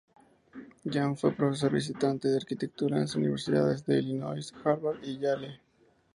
Jahn fue profesor visitante de arquitectura en las universidades de Illinois, Harvard y Yale.